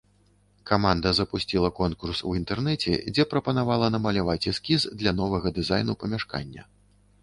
Каманда запусціла конкурс у інтэрнэце, дзе прапанавала намаляваць эскіз для новага дызайну памяшкання.